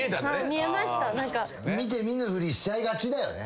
見て見ぬふりしちゃいがちだよね。